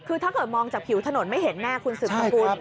คือถ้าเกิดมองจากผิวถนนไม่เห็นแน่คุณสืบสกุล